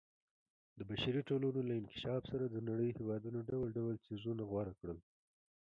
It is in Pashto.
د بشري ټولنو له انکشاف سره د نړۍ هېوادونو ډول ډول څیزونه غوره کړل.